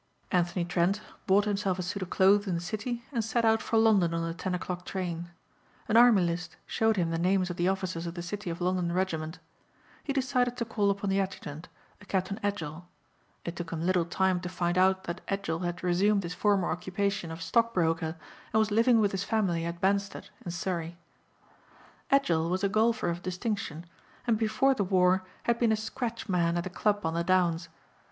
Anthony Trent bought himself a suit of clothes in the city and set out for London on the ten o'clock train. An Army List showed him the names of the officers of the City of London Regiment. He decided to call upon the adjutant, a Captain Edgell. It took him little time to find out that Edgell had resumed his former occupation of stock broker and was living with his family at Banstead in Surrey. Edgell was a golfer of distinction and before the war had been a scratch man at the club on the Downs.